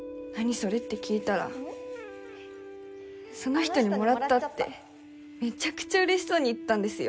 それって聞いたらその人にもらったってめちゃくちゃうれしそうに言ったんですよ。